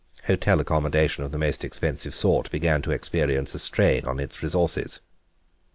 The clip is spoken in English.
Hotel accommodation of the more expensive sort began to experience a strain on its resources.